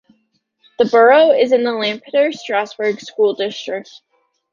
The borough is in the Lampeter-Strasburg School District.